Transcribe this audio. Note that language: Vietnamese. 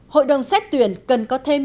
hội đồng xét tuyển cần có thêm